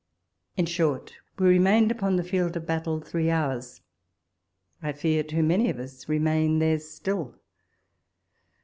In short, we remained upon the field of battle three hours ; I fear, too many of us remain there still